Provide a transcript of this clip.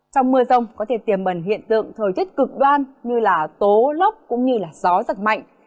trong mưa rông có thể tiềm mẩn hiện tượng thời tiết cực đoan như tố lốc cũng như gió giật mạnh